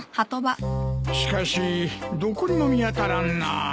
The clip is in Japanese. しかしどこにも見当たらんな。